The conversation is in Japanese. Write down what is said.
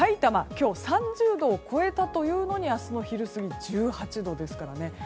今日３０度を超えたというのに明日の昼過ぎは１８度ですからね。